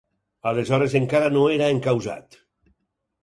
Aleshores encara no era encausat.